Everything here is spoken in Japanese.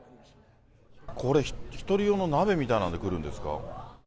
これ、１人用の鍋みたいのでくるんですか。